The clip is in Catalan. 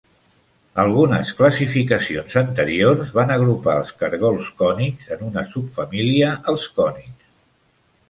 Algunes classificacions anteriors van agrupar els cargols cònics en una subfamília, els cònids.